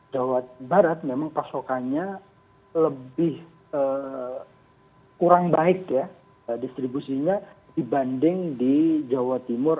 jawa barat memang pasokannya lebih kurang baik ya distribusinya dibanding di jawa timur